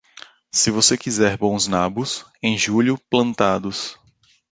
Se você quiser bons nabos, em julho plantados.